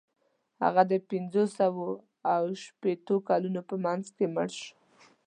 هغه د پنځوسو او شپیتو کلونو په منځ کې مړ شو.